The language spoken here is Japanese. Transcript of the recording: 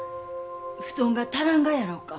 布団が足らんがやろうか？